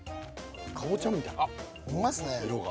かぼちゃみたいな色が。